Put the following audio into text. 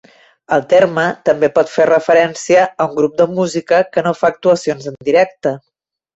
El terme també pot fer referència a un grup de música que no fa actuacions en directe.